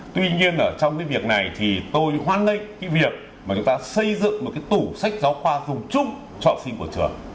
tuy nhiên ở trong cái việc này thì tôi hoan nghênh cái việc mà chúng ta xây dựng một cái tủ sách giáo khoa dùng chung cho học sinh của trường